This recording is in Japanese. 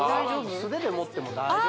素手で持っても大丈夫あっ